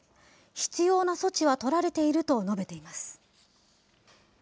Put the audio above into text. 必要な措置は取られていると述べています。